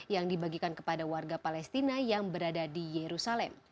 yang dibagikan kepada warga palestina yang berada di yerusalem